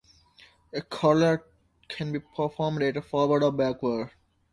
A charlotte can be performed either forward or backward.